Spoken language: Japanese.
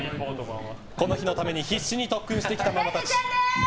この日のために必死に特訓してきたママたち。